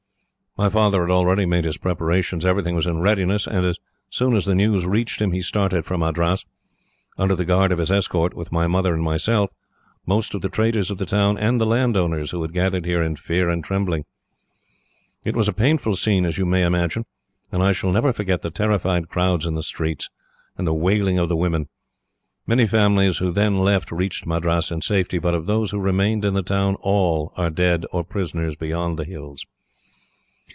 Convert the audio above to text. "My father had already made his preparations. Everything was in readiness, and as soon as the news reached him, he started for Madras, under the guard of his escort, with my mother and myself, most of the traders of the town, and the landowners, who had gathered here in fear and trembling. "It was a painful scene, as you may imagine, and I shall never forget the terrified crowds in the streets, and the wailing of the women. Many families who then left reached Madras in safety, but of those who remained in the town, all are dead, or prisoners beyond the hills.